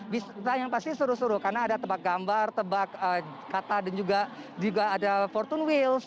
bisa yang pasti seru seru karena ada tebak gambar tebak kata dan juga ada fortune wheels